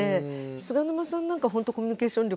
菅沼さんなんかほんとコミュニケーション力